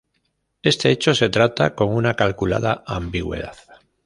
Este hecho se trata con una calculada ambigüedad.